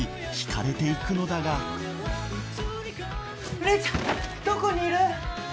彼は麗ちゃんどこにいる？